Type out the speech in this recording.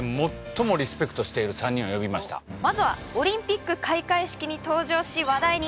まずはオリンピック開会式に登場し話題に！